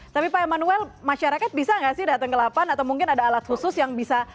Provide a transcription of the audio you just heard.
tapi pak emmanuel masyarakat bisa nggak sih datang ke delapan atau mungkin ada alat khusus yang bisa